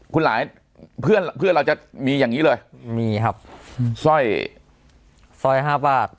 คุณหลายเพื่อนเพื่อนเราจะมีอย่างงี้เลยมีครับสร้อยสร้อยห้าบาท